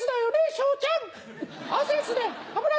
昇ちゃん」。